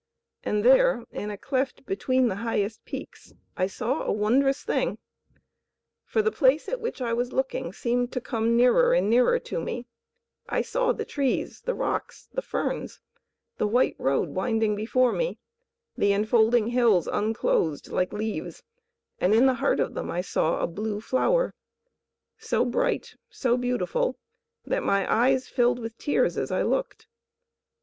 And there, in a cleft between the highest peaks I saw a wondrous thing: for the place at which I was looking seemed to come nearer and nearer to me; I saw the trees, the rocks, the ferns, the white road winding before me; the enfolding hills unclosed like leaves, and in the heart of them I saw a Blue Flower, so bright, so beautiful that my eyes filled with tears as I looked.